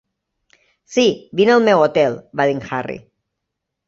"Sí, vine al meu hotel", va dir en Harry.